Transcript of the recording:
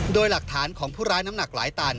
โดยหลักฐานของผู้ร้ายน้ำหนักหลายตัน